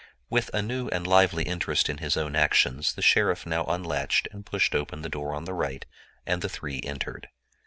With a new and lively interest in his own actions the sheriff now unlatched and pushed open a door on the right, and the three entered.